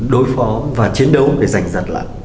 đối phó và chiến đấu để giành giặt lại